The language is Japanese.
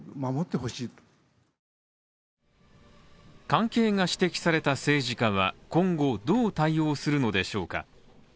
関係が指摘された政治家は、今後どう対応するのでしょうか。